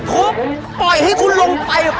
ผมปล่อยให้คุณลงไป